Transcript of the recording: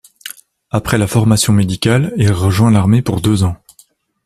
Après la formation médicale, il rejoint l'armée pour deux ans.